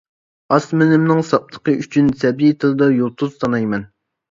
ئاسمىنىمنىڭ ساپلىقى ئۈچۈن، سەبىي تىلدا يۇلتۇز سانايمەن.